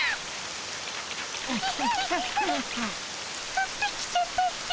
ふってきちゃったっピ。